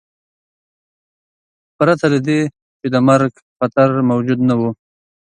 پرته له دې چې د مرګ خطر موجود نه و.